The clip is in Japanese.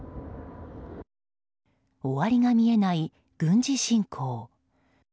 終わりが見えない軍事侵攻。